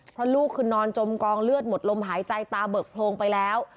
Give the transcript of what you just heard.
เพราะลูกคือนอนจมกองเลือดหมดลมหายใจตาเบิกโพรงไปแล้ว